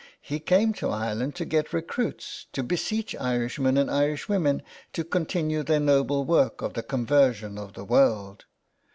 He came to Ireland to get recruits, to beseech Irishmen and Irishwomen to continue their noble work of the conversion of the world.